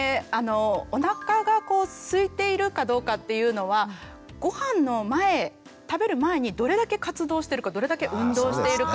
おなかがすいているかどうかっていうのはごはんの前食べる前にどれだけ活動してるかどれだけ運動しているかとか。